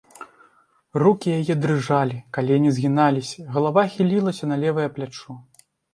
Рукі яе дрыжалі, калені згіналіся, галава хілілася на левае плячо.